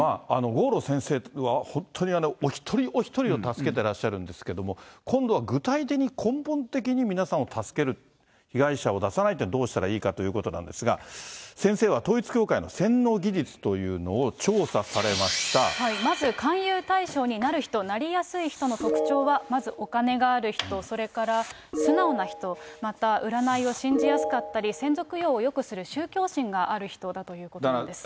郷路先生は本当にお一人お一人を助けてらっしゃるんですけれども、今度は具体的に、根本的に皆さんを助ける、被害者を出さないには、どうしたらいいかということなんですが、先生は統一教会の洗脳技まず勧誘対象になる人、なりやすい人の特徴は、まずお金がある人、それから素直な人、また、占いを信じやすかったり、先祖供養をよくする宗教心がある人だということなんです。